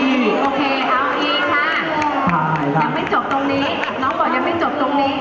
น้องบอกยังไม่จบตรงนี้